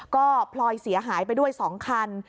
ก็พลอยเสียหายไปด้วย๒คัน